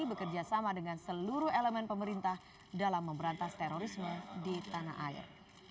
bekerja sama dengan seluruh elemen pemerintah dalam memberantas terorisme di tanah air